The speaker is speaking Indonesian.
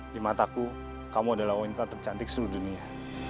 di mataku kamu adalah wanita tercantik seluruh dunia